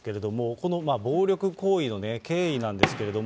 この暴力行為の経緯なんですけれども。